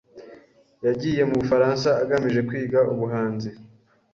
Yagiye mu Bufaransa agamije kwiga ubuhanzi.